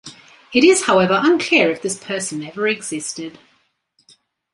It is, however, unclear if this person ever existed.